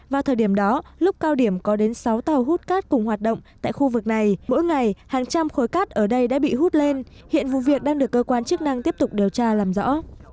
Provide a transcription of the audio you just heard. vào thời điểm đó lúc cao điểm có đến sáu tàu hút cát cùng hoạt động tại khu vực này mỗi ngày hàng trăm khối cát ở đây đã bị hút lên hiện vụ việc đang được cơ quan chức năng tiếp tục điều tra làm rõ